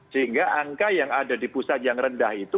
sehingga angka yang ada di pusat yang rendah itu